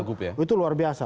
maju itu luar biasa